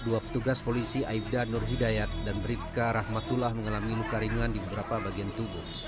dua petugas polisi aibda nurhidayat dan beritka rahmatullah mengalami muka ringan di beberapa bagian tubuh